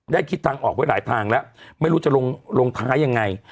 ได้คิดทางออกไว้หลายทางแล้วไม่รู้จะลงลงท้ายยังไง